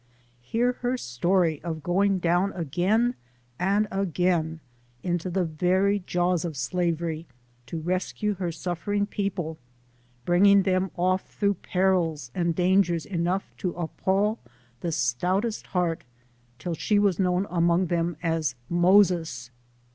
Hear htr story of going down again and again into the very jaws of slavery, to rescue her suffering people, .bringing them off through perils and dangers enough to appall the stoutest heart, till she was known among them as ' Moses.'